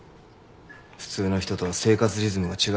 普通の人とは生活リズムが違うんだ。